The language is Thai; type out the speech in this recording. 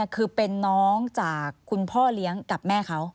คือเป็นน้องจากคุณพ่อเลี้ยงกับแม่เขา